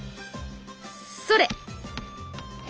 それ！